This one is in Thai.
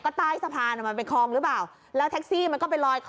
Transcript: ก็ใต้สะพานมันเป็นคลองหรือเปล่าแล้วแท็กซี่มันก็ไปลอยคอ